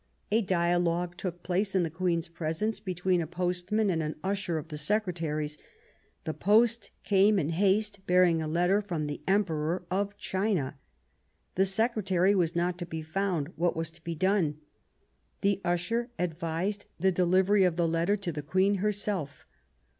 A dialogue, took place in the Queen's presence between a postman and an usher of the Secretary's. The post came in haste bearing a letter from the Emperor of China. The secretary was not to be found ; what was to be done? The usher advised the delivery of the letter to the Queen herself.